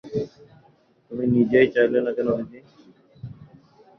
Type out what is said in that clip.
তুমি নিজেই চাইলে না কেন দিদি?